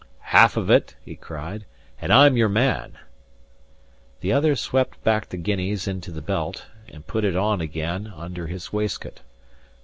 "Half of it," he cried, "and I'm your man!" The other swept back the guineas into the belt, and put it on again under his waistcoat.